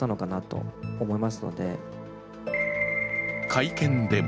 会見でも